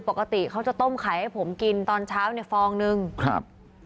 ปกติเขาจะต้มไข่ให้ผมกินตอนเช้าเนี่ยฟองหนึ่งครับ